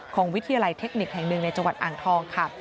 วิทยาลัยเทคนิคแห่งหนึ่งในจังหวัดอ่างทองค่ะ